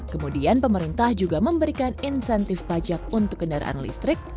kemudian pemerintah juga memberikan insentif pajak untuk kendaraan listrik